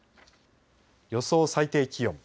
予想最低気温。